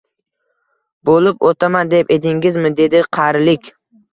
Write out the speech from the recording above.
bo‘lib o‘taman, deb edingizmi? — dedi. — Qarilik